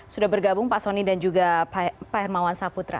sudah bergabung pak soni dan juga pak hermawan saputra